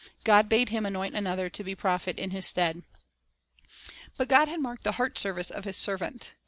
God bade him anoint another to be prophet in his stead. But God had marked the heart service of His serv ant.